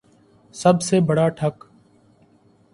سب سے بڑا ٹھگ